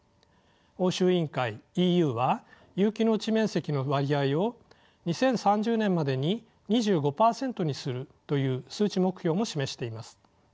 欧州委員会ＥＵは有機農地面積の割合を２０３０年までに２５％にするという数値目標も示しています。